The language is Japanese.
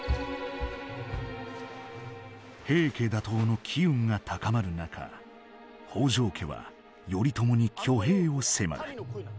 平家打倒の機運が高まる中北条家は頼朝に挙兵を迫る。